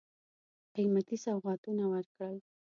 قېمتي سوغاتونه ورکړل.